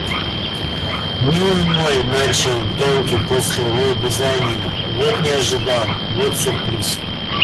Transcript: — Милый мой! — начал тонкий после лобызания.— Вот не ожидал! Вот сюрприз!